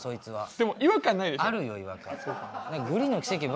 でも違和感ないでしょ？